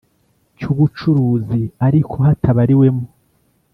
Cy ubucuruzi ariko hatabariwemo